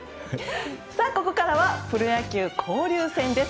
ここからはプロ野球交流戦です。